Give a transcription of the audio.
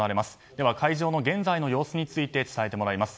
では、会場の現在の様子について伝えてもらいます。